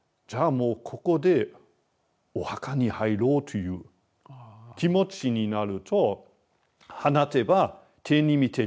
もうここでお墓に入ろうという気持ちになると「放てば手に満てり」。